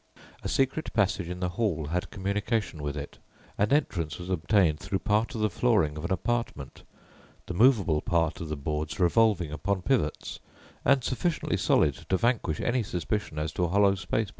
A secret passage in the hall had communication with it, and entrance was obtained through part of the flooring of an apartment, the movable part of the boards revolving upon pivots and sufficiently solid to vanquish any suspicion as to a hollow space beneath.